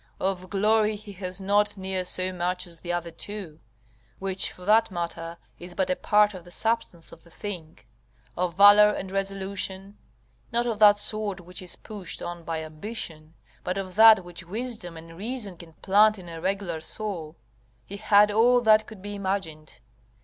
Of glory he has not near so much as the other two (which, for that matter, is but a part of the substance of the thing): of valour and resolution, not of that sort which is pushed on by ambition, but of that which wisdom and reason can plant in a regular soul, he had all that could be imagined.